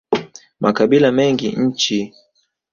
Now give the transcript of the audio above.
makabila mengi nchini yanapende kutumia lugha zao